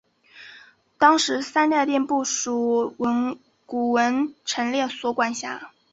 当时三大殿不属古物陈列所管辖。